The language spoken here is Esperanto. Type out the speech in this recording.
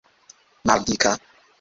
maldika